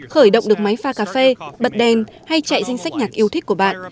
khởi động được máy pha cà phê bật đèn hay chạy danh sách nhạc yêu thích của bạn